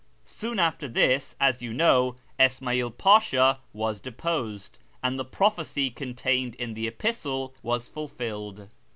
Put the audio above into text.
Soon after this, as you know, Isma'il Pasli;i was deposed, and the prophecy contained in the epistle was fulfilled.